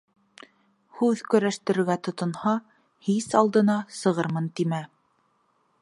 Һүҙ көрәштерергә тотонһа, һис алдына сығырмын тимә.